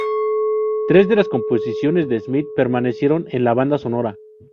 Tres de las composiciones de Smith permanecieron en la banda sonora.